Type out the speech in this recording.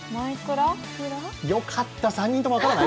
よかった、３人とも分からない？